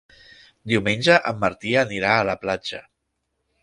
Diumenge en Martí anirà a la platja.